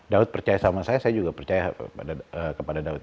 daud percaya sama saya saya juga percaya kepada daud